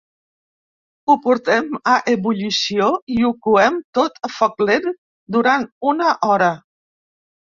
Ho portem a ebullició i ho coem tot a foc lent durant una hora.